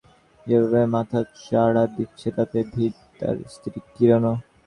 সাত-আট মাস ধরে অসহিষ্ণুতা যেভাবে মাথাচাড়া দিচ্ছে তাতে ভীত তাঁর স্ত্রী কিরণও।